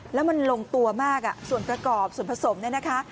แล้วมันลงตัวมากส่วนประกอบส่วนผสมเนี่ยนะคะ